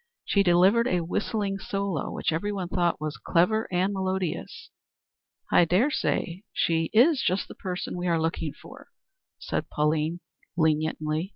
She delivered a whistling solo which every one thought clever and melodious." "I dare say she is just the person we are looking for," said Pauline, leniently.